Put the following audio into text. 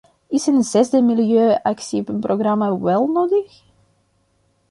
Is een zesde milieuactieprogramma wel nodig?